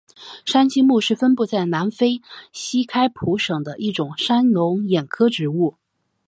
山栖木是分布在南非西开普省的一种山龙眼科植物。